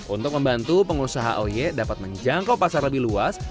untuk membantu pengusaha oy dapat menjangkau pasar lebih luas